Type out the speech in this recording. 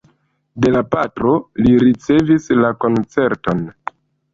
De la patro li ricevis la koncerton.